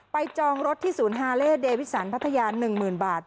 จองรถที่ศูนย์ฮาเล่เดวิสันพัทยา๑๐๐๐บาท